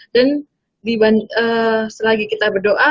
dan selagi kita berdoa